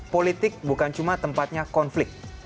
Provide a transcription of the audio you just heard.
politik bukan cuma tempatnya konflik